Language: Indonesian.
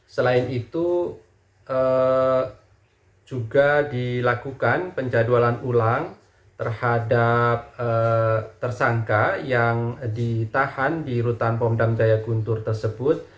selain itu juga dilakukan penjadwalan ulang terhadap tersangka yang ditahan di rutan pong dam jaya guntur tersebut